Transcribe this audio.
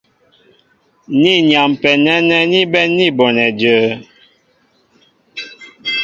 Ni yampɛ nɛ́nɛ́ ní bɛ̌n ní bonɛ jə̄ə̄.